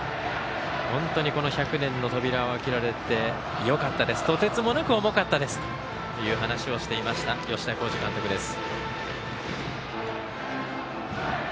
本当にこの１００年の扉を開けられて、よかったですととてつもなく重かったですという話をしていました吉田洸二監督です。